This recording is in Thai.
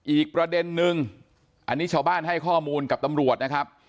อีกประเด็นนึงอันนี้ชาวบ้านให้ข้อมูลกับตำรวจนะครับ